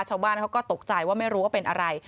ชาวบ้านเขาก็ตกใจว่าไม่รู้ว่าเป็นอะไร